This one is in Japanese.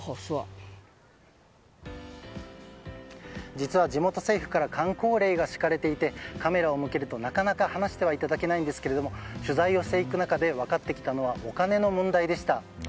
実は、地元政府からかん口令が敷かれていてカメラを向けると、なかなか話していただけないんですが取材をしていく中で分かってきたのはお金の問題でした。